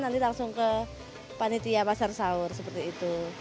nanti langsung ke panitia pasar sahur seperti itu